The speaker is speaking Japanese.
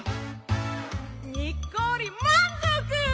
「にっこり満足」